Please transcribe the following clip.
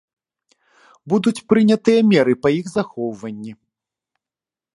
Будуць прынятыя меры па іх захоўванні.